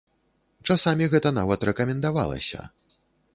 Часамі гэта нават рэкамендавалася.